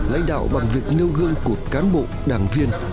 lãnh đạo bằng việc nêu gương của cán bộ đảng viên